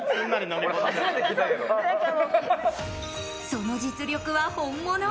その実力は本物。